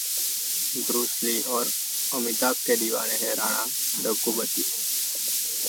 Bruce Lee और अमिताभ के दीवाने हैं राणा डग्गुबत्ती